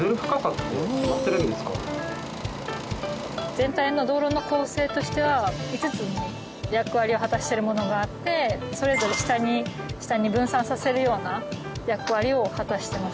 全体の道路の構成としては５つ役割を果たしてるものがあってそれぞれ下に下に分散させるような役割を果たしています。